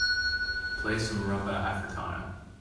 Play some Rumba Africana.